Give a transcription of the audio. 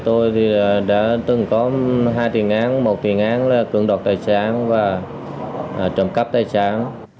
tôi đã từng có hai tình án một tình án là cưỡng đọc tài sản và trầm cắp tài sản